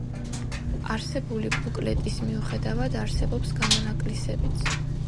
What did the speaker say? არსებული ბუკლეტის მიუხედავად არსებობს გამონაკლისებიც.